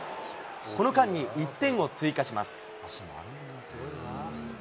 この間に１点を追加します。